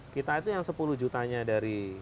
kita itu yang sepuluh jutanya dari